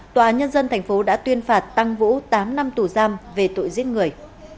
tòa nhân dân thành phố đã tuyên phạt tăng vũ tám năm tù giam về tội giết người